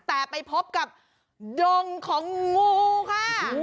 แต่ไปพบกับดงของงูค่ะ